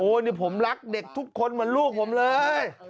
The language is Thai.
นี่ผมรักเด็กทุกคนเหมือนลูกผมเลย